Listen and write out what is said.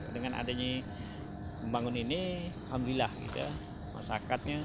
dengan adanya pembangunan ini alhamdulillah kita masyarakatnya